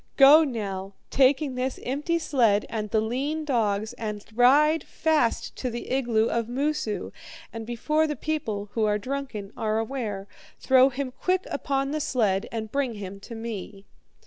'Go now, taking this empty sled and the lean dogs, and ride fast to the igloo of Moosu; and before the people, who are drunken, are aware, throw him quick upon the sled and bring him to me.'